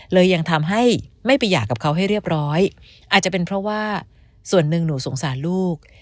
เลยยังทำให้ไม่ไปหย่ากับเขาให้เรียบร้อยอาจจะเป็นเพราะว่าส่วนหนึ่งหนูสงสารลูก